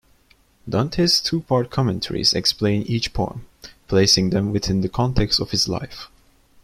Dante's two-part commentaries explain each poem, placing them within the context of his life.